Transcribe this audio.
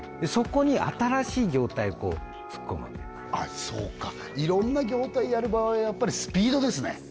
そこに新しい業態を突っ込むわけですそうかいろんな業態やる場合はやっぱりスピードですね